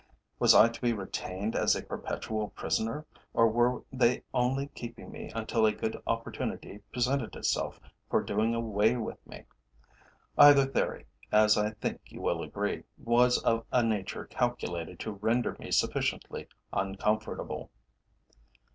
Was I to be retained as a perpetual prisoner, or were they only keeping me until a good opportunity presented itself for doing away with me? Either theory, as I think you will agree, was of a nature calculated to render me sufficiently uncomfortable.